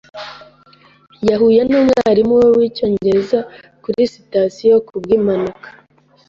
Yahuye numwarimu we wicyongereza kuri sitasiyo kubwimpanuka.